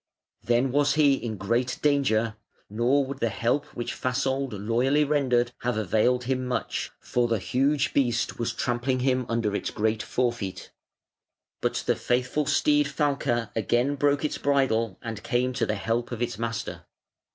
Then was he in great danger; nor would the help which Fasold loyally rendered have availed him much, for the huge beast was trampling him under its great forefeet; but the faithful steed Falke again broke its bridle and came to the help of its master.